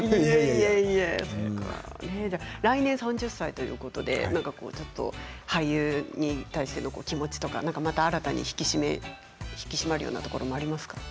来年３０歳ということで俳優に対しての気持ちとかまた新たに引き締まるようなところとかありますか？